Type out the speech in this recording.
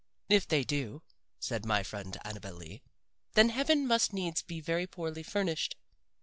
"If they do," said my friend Annabel Lee, "then heaven must needs be very poorly furnished."